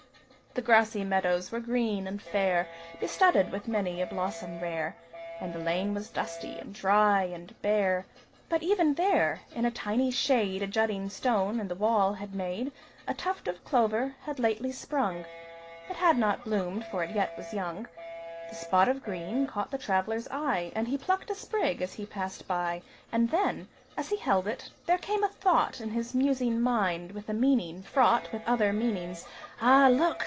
The grassy meadows were green and fair Bestudded with many a blossom rare, And the lane was dusty, and dry, and bare; But even there, in a tiny shade A jutting stone in the wall had made, A tuft of clover had lately sprung It had not bloomed for it yet was young The spot of green caught the traveler's eye, And he plucked a sprig, as he passed by; And then, as he held it, there came a thought In his musing mind, with a meaning fraught With other meanings. "Ah, look!"